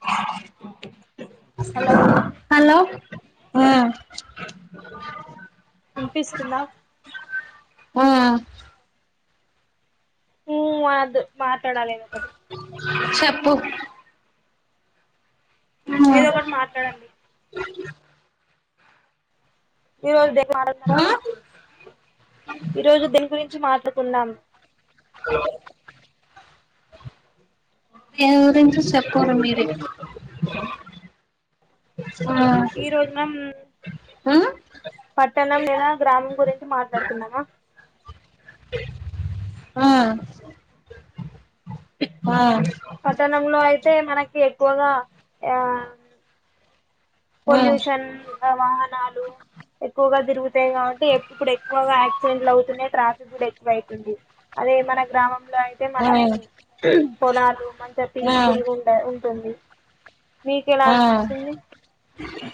అ hello ఆ వినిపిస్తుందా ఆ మాదు మాట్లాడాలిను ఒకటి చెప్పు ఏదో ఒకటి మాట్లాడండి ఈ రోజు ద మాం ఆ మనం ఈ రోజు దీని గురించి మచకుందాం ఓ ఎరంచి చెపోర మేరు ఆ ఈ రోజు మనం హ పట్టణం లేదా గ్రామం గురించి మాట్లాడుతుందమా ఆ ఆ పతనంలో అయితే మనకి ఎక్కువగా ఆ ఆ పొల్యూషన్ వాహనాలు ఎక్కువగా తిరుగుతాయి కాబట్టి ఎప్పుడుప్పుడు ఎక్కువగా యాక్సిడెంట్లు అవుతున్నాయి ట్రాఫిక్ కూడా ఎక్కువ అవుతుంది అదే మన గ్రామంలో అయితే ఆ మనం పొలాలు మంచి ఆ ప్పల్ండ ఉ ంది మీక ఎలా ఆ అనిపిస్తుంది అ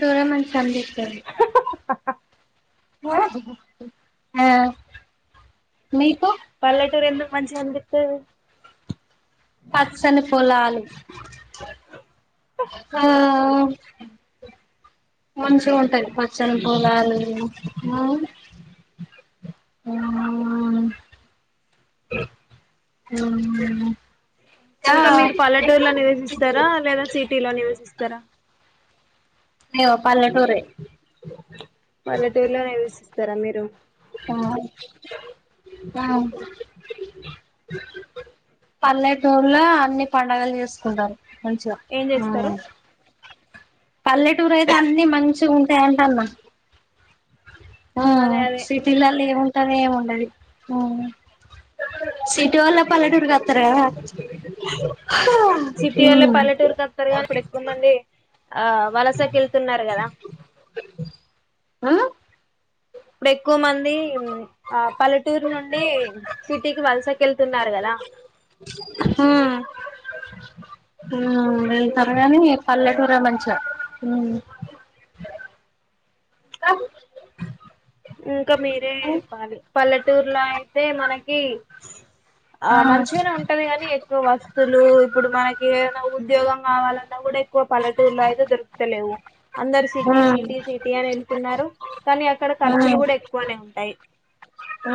టూర్నమెంట్స్ అందిస్తంది మీకు పల్లటూరు ఎందు మంచిషాంటతే పసనే పోలే ఆలు ఆ మంచి ఉంటది పచ్చని పొలాలు ఆ ఆ ఇంకా మీరు ఇంకా పల్లెటూరులో నివసిస్తారా లేదా సిటీలో నివసిస్తారా అయ్యో పల్లెటూరే పల్లెటూరు లో నివసిస్తరా మీరు ఆ పల్లెటూరులో అన్ని పండుగలు చేసుకుంటారు కొంచం ఏం ఆ చేస్తారు పల్లెటూరు అయితే అన్ని మంచిగా ఉంటాయి అంట అన్న ఆ అదే అదే సిటీ లలో ఏం అనే ఏమిండదు సిటీ వల్ల పల్లెటూరుకి వస్తారు కదా సిటీ వాళ్ళ పల్లెటూరుకి వతారు కానీ ఇప్పుడు ఎక్కువ మంది ఆ వలసకి వెళ్తున్నారు కదా హ ఇప్పుడు ఎక్కువ మంది ఆ పల్లెటూరు నుండి సిటీకి వలసకెళ్తున్నారు కదా వెళ్తారు గానీ పల్లెటూర నుంచి ఇంకా మీరే చెప్పాలి పల్లెటూరులో అయితే మనకి ఆ మంచిగానే ఉంటది కాగాని ఎక్కువ వస్తులు ఇప్పుడు మనకి ఏదైనా ఉద్యోగం కావాలన్నా కూడా ఎక్కువ పల్లెటూలో అయితే దొరుకుతలేవు అందరు ఆ సిటీ సిటీ సిటీ అని వెళ్తున్నారు కానీ అక్కడ ఖర్చ చ్చులు కూడా ఎక్కువనే ఉం టాయి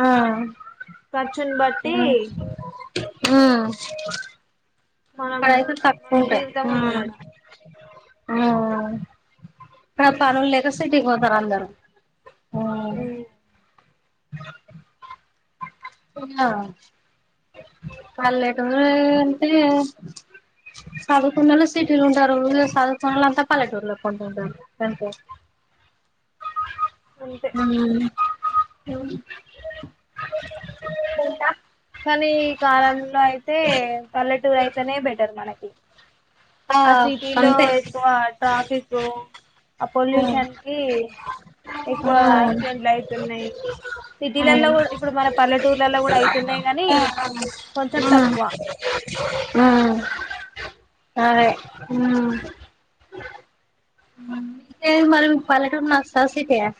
ఆ ఆ మనం మన జీవితం ఉంటదడ [inaudible] ఆ పనులు లేక సిటీకి పోతారు అందరూ అ ఆ పల్లెటూరు అంటే చదువుకున్నళ సిటీలు ఉంటారు చదువుకునోళ్ళు అంతా పల్లెటూరులో కొంట ఉంటారు అంటే అంతే హ ఎంటా కానీ ఈ కాలంలో అయితే పల్లెటూరు అయిత నే బెటర్ మనకి ఆ సిటీలో అంతే ఎక్కువ ట్రాఫికూ అ పొల్యూషన్ కి ఆ ఎక్కువ ఆ ఆక్సిడెంట్లు అవుతున్నాయి సిటీలల్లో కూడా ఇప్పుడు మన పల్లెటూర్లలో కూడాయి ఉమ్ ఉమ్ అదే ఉమ్ తే మరి మీకు పల్లెటూరు నస్తదా సిటీ ఆ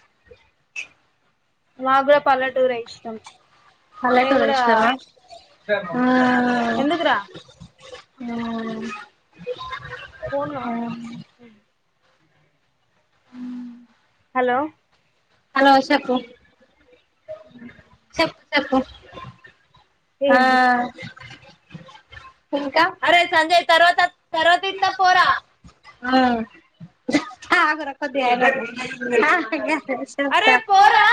మాకు కూడా పల్లెటూరే ఇష్టం మేము పల్లెటూరే కూడా ఇష్టమా ఉమ్ ఎందుకురా ఉమ్ ఫోన్ కావాలె గా హుమ్ హలో హలో చెప్పు చెప్పు చెప్పు ఆ ఇంకా అరే సంజయ్ తర్వాత త [unintelligible] ఆ అగుర కొద్దిగాయినంక ఇయి అరే ఆహ్ పోరా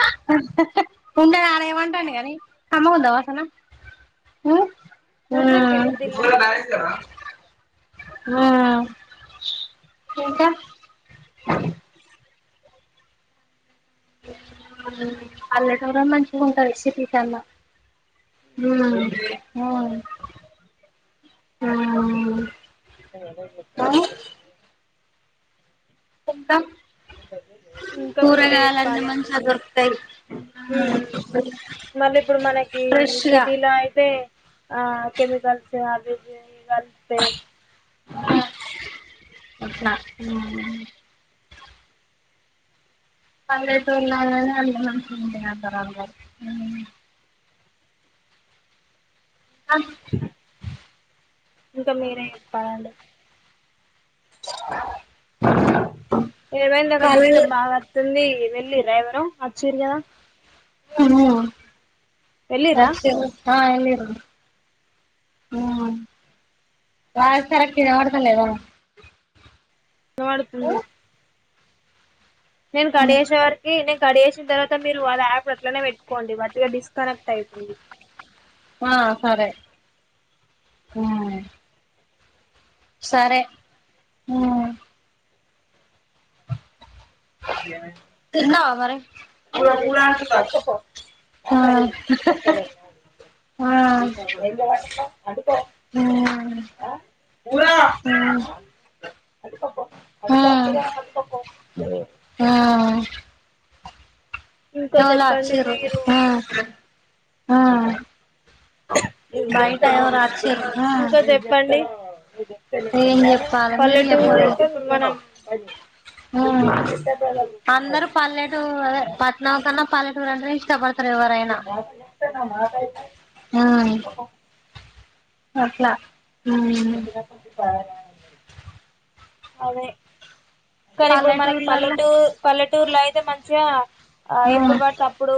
ఉండరా వాడేమంటాడు కానీ కమ్మగా ఉండవా అసలు మ్మ్ ఉర్రకేను దిల్ల దిల్ మ్మ్ ఇంకా పల్లెటూరే మంచిగ ఉంటది సిటీ కన్నా మ్మ్ ఆ ఆ నేనదే చెప్పుతన్న ఇంకా ఇంకా మీరే కూరగాయలన్నీ చెప్పాలండి మంచిగా దొరుకుతాయి మ్మ్ మ్మ్ మళ్ళీ ఇప్పుడు మనకి ఫ్రెష్ గా సిటీలో అయితే ఆ కేమికల్స్ ఆవి ఇవి అని కాళ్తాయి అట్నా హ్మ్ పల్లెటూరులల్ల నే అన్ని మంచిగుంటాయంటారు అల్మోస్ట్ అ ఇంకా మీరే చెప్పాలండి ఏమైంది అక్కడ డిస్టర్బ్ కాలేజ్ బాగా వస్తుంది వె ఇ రా ఎవరో అచ్చరు గాదా మ్మ్ హ్మ్ వెళ్ళిరా ఒకే వెళ్లిరు మ్మ్ వాయిస్ కరెక్ట్ వినపడుతలేదా వినపడుతుంది నేను కడిగెస్ వరకి న స్డ వేసిన తర్వాత మీరు వాళ్ళ యాప్ అట్లనే పెట్టుకోండి మట్టిగా డిస్కనెక్ట్ అయితుంది ఆ సరే మ్మ్ సరే మ్మ్ తిన్నావా మరి ఆ ఆ ఆ [inaudible] బ ఆ ఇంకా వాళో చెప్పండి వచ్చిరు మీరు ఆ హా బయట ఎవరో వచ్చిర్రు ఇంకా చెప్పండి ఏం చెప్పాలే మీరు పల్లెటూరు చెప్పాడి ఇప్పుడు మనం ఉ అందరు పల్లెటు అదే పట్నాం కన్నా పల్లెటూరు అంటేనే ఇష్టపడుత ఉమ్ [unintelligible] అట్లా ఉ ప అదే కానీ ఇప్పుడు మనకి పల్లెటూర్లలో పల్లెటూరు పల్లెటూరులో అయితే మంచిగా ఆ ఉమ్ ఎప్పుడు పడితే అప్పుడు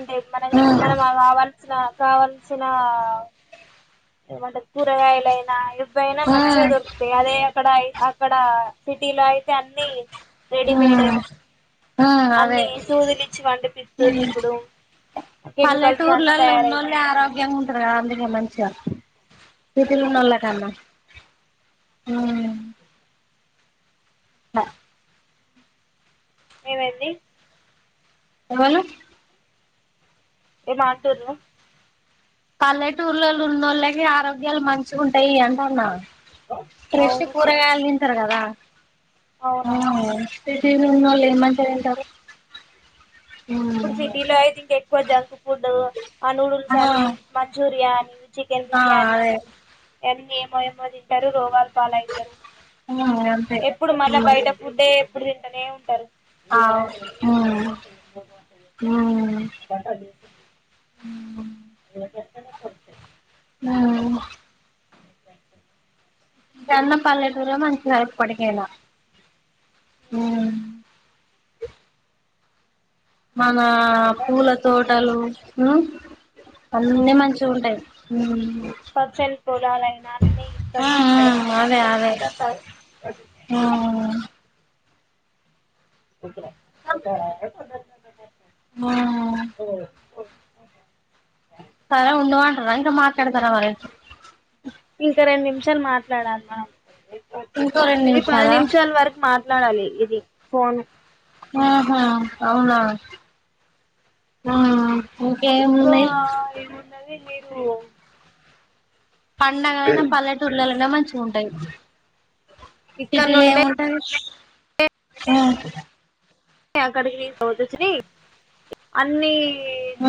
అంటే మన ఉమ్ మనం ఆవాల శ్రక కావల్సిన ఏమంటారు కూరగాయలైన ఇయినా మంచిగా ఉమ్ దొకుతాయి అదే అక్కడ అక్కడ సిటీలో అయితే అన్ని రెడీమేడ్ ఆ అదే అన్ని సూదులు ఇచ్చి పండిపిస్తుర్రు ఇప్పుడు కెమికల్స్ అన్ని పల్లెటూర్లలో ఉన్నోళ్ళ తయారవుతుంది ఆరోగ్యంగా ఉంటంది కదా అందుకే మంచిగా సిటీ లో ఉన్నోళ్ల కన్నా అ ద ఏమైంది ఏవలు ఏ మాటరు పల్లెటూళ్లో ఉన్నోళ్ళకి ఆరోగ్యాలు మంచిగా ఉంటాయి అంట అన్నా ఫష్ అవును కూరగాయాలు తరగద అవునవును సిటీలునోలు ఏమంచిగ తింటారు ఇపుడు సిటీలోయట్ ఇంకా ఆకు కొజ ఫుడ్ ఆ నూడుల్స్ అని మంచూరియన్ చికెన్ ఆ బిర్యానీ అదే అనీ ఎన్ని ఏమో ఏమో తింటారు రోగాలు బాల అవుతారు ఉమ్ అంతే ఎప్పుడు మళ్ళా బయట పుడ్డే ఇప్పుడు తింటనే ఉంటారు ఆ హ [unintelligible] హ్మ్ [unintelligible] ఆవు జన్నపల్లెటూర మంచిగా హపు పడిగలా మన పూల తోటలు అన్నీ మంచిగా ఉంటాయి ఉ ప చలిపోలోలైనా ఉమ్ ఉమ్ నక అదే అదే ఉమ్ సత్ర అ ఉమ్ పో సరా ఉండవాంటా ఇంకా మాట్లాడతారా వర ఇంకా రెండు నిమిషాలు మాట్లాడాలమా ఇంకరం నివసాలా లాలి ఇది ఫోన్ ఆహా అవునా ఇంకా ఏం ఉన్నాయి నవే మీరు పండగ అైనా పల్లెటూళ్ల మంచి ఉంటాయి ఇక్కడ సిటీలో ఏం నుండే ఉంటది ఆ అక్కడికి పోతొచ్చిన అన్ని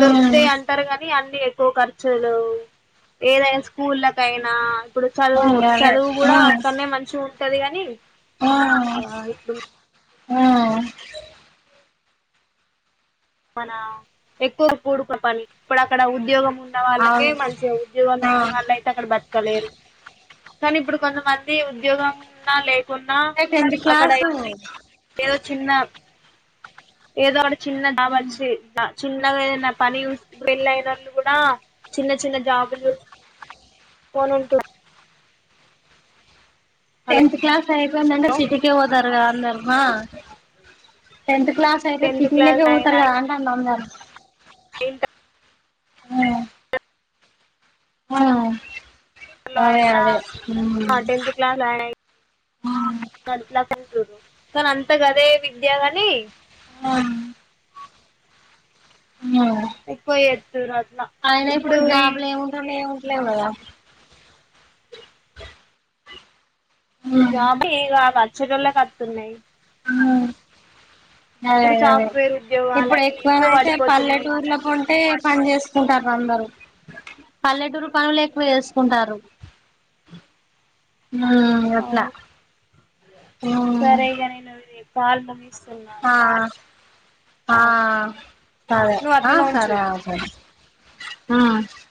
దొరుకుతాయి అంటారు కద అన్ని ఎక్కువ ఖర్చులు ఏదైనా స్కూల్ళకయినా ఇప్పుడు చదువు మ్మ్ అదే చదువు కూడా మ్మ్ అక్కడనే మంచిగ ఉం తదిగాని ఆ ఆ మన ఎక్కువ కూడుక పని ఇప్పుడు అక్కడ ఉద్యోగం ఉ ఉన్న వాళ్ళకి అవును మంచి ఉద్యోగం ఆ లేని వాళ్ళు అయితే అక్కడ బతకలేరు కానీ ఇప్పుడు కొంతమంది ఉద్యోగం ఉన్నా లేదు అంటే టెంత్ క్లాసు ఏదో చిన్న ఏదో అ చిన్న డాబొచ్చి జ చిన్నగా ఏదన్న పని చుస్ పెళ్లైనోళ్ళు కూడా చిన్న చిన్న జాబులు చూస్ కొని ఉంటుర్రు టెన్త్ క్లాస్ అయిపోయిందంటే హలో సిటీకే పోతారు కదా అందరు ఆ టెన్త్ క్లాస్ అయితే టెన్త్ క్లాస్ సిటీలకే పోతారు కద అంటన్న అందరూ ఇంక ఉమ్ ఆ లో అయిన ఆ టెన్త్ క్లాస్ అయిన [inaudible] చూడు కానీ అంత గదే విద్య గని అవున్ మ్ ఎక్కువ చేస్తుర్రు అట్లా అయిన ఇప్పుడు ఈ జాబులు ఏముంటున్నాయి లేవు కదా ఉ జాబే [unintelligible] వచ్చేటోళ్ళకు వత్తున్నాయ్ ఉమ్ అదే ఇప్పుడు అదే అదే సాఫ్ట్వేర్ ఇప్పుడు ఉద్యోగాలని ఎక్కువన ఎక్కువ అయితే పడిపోతున్నాయి పల్లెటూర్లో పొంటె పని చేసుకుంటారు అందరు పల్లెటూరు పనులెక్కువ చేసుకుంటారు మ్ అట్ల అవును సరే ఇగ నేను ఇది పాల్నమి ఆ ఆ సరే నువ్వు ఆ అట్లనే సరే ఉంచు ఆ సరే ఉమ్